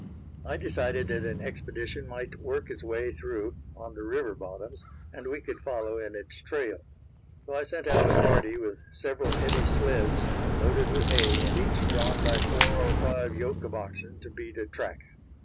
I decided that an expedition might work its way through on the river bottoms, and we could follow in its trail. So I sent out a party with several heavy sleds, loaded with hay, and each drawn by four or five yoke of oxen to beat a track.